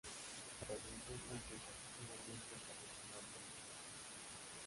La Revolución francesa, finalmente, acabó con la orden en Francia.